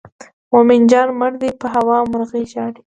مومن جان مړ دی په هوا مرغۍ ژاړي.